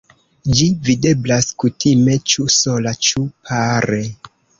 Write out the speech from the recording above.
Ĝi videblas kutime ĉu sola ĉu pare.